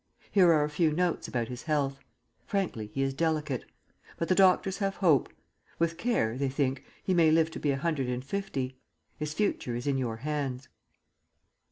Here are a few notes about his health. Frankly he is delicate. But the doctors have hope. With care, they think, he may live to be a hundred and fifty. His future is in your hands."